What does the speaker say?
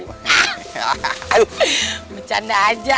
kalo gak enak kasih kucing bu